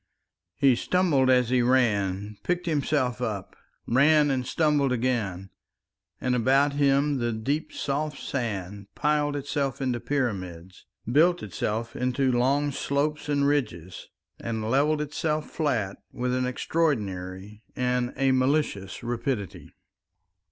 He stumbled as he ran, picked himself up, ran and stumbled again; and about him the deep soft sand piled itself into pyramids, built itself into long slopes and ridges, and levelled itself flat with an extraordinary and a malicious rapidity.